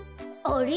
あれ？